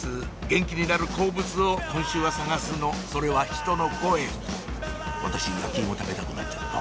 元気になる好物を今週は探すのそれは人の声「私焼き芋食べたくなっちゃった」